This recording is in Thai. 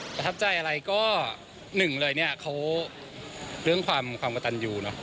ประทับใจอะไรก็หนึ่งเลยเขาเรื่องความกระตันยู